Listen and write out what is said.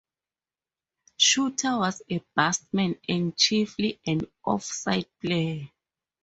Shuter was a batsman and chiefly an off-side player.